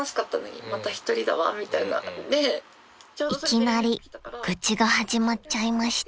［いきなり愚痴が始まっちゃいました］